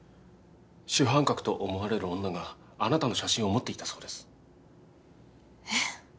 主犯格と思われる女があなたの写真を持っていたそうですえっ！？